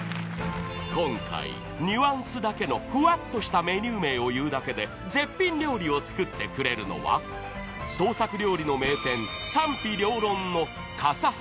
［今回ニュアンスだけのふわっとしたメニュー名を言うだけで絶品料理を作ってくれるのは創作料理の名店］